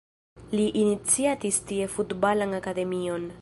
Li iniciatis tie Futbalan Akademion.